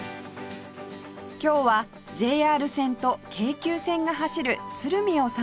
今日は ＪＲ 線と京急線が走る鶴見を散歩します